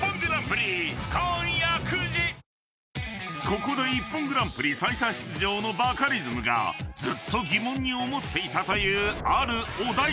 ［ここで『ＩＰＰＯＮグランプリ』最多出場のバカリズムがずっと疑問に思っていたというあるお題について］